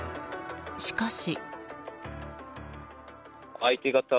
しかし。